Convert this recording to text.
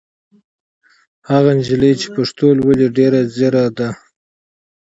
هغه نجلۍ چې پښتو لولي ډېره ځېره ده.